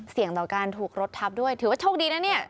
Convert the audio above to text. ต่อการถูกรถทับด้วยถือว่าโชคดีนะเนี่ย